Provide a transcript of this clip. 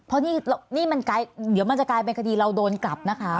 เพราะนี่มันเดี๋ยวมันจะกลายเป็นคดีเราโดนกลับนะคะ